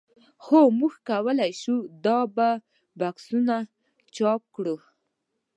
هو موږ کولی شو دا په بکسونو چاپ کړو